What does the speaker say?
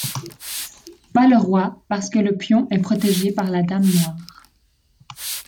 Pas le Roi, parce que le pion est protégé par la Dame noire.